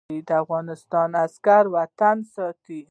د افغانستان عسکر وطن ساتي